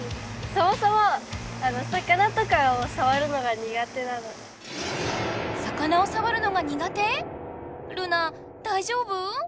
そもそも魚をさわるのが苦手⁉ルナだいじょうぶ？